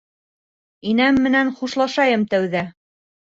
— Инәм менән хушлашайым тәүҙә.